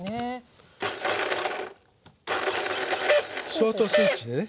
ショートスイッチでね。